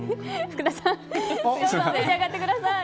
福田さん召し上がってください。